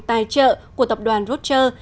tài trợ của tập đoàn rocher